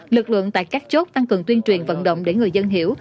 lực lượng tại các chốt tăng cường tuyên truyền vận động để người dân hiểu